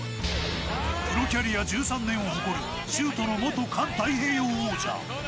プロキャリア１３年を誇る修斗の元環太平洋王者。